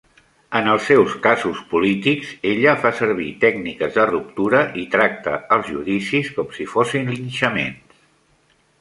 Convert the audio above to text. En els seus casos polítics, ella fa servir tècniques de ruptura i tracta els judicis com si fossin linxaments.